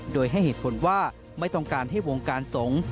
โดยให้เหตุผลว่าไม่ต้องการให้วงการสงฆ์